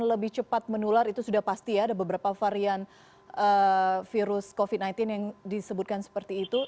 lebih cepat menular itu sudah pasti ya ada beberapa varian virus covid sembilan belas yang disebutkan seperti itu